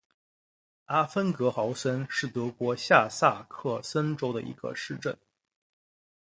阿芬格豪森是德国下萨克森州的一个市镇。